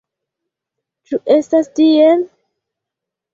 Ĉu estas tiel?